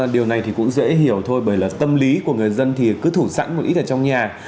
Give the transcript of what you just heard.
điều này thì cũng dễ hiểu thôi bởi là tâm lý của người dân thì cứ thủ sẵn một ít ở trong nhà